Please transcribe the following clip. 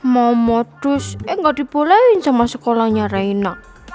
mamadus gak dibolehin sama sekolahnya rina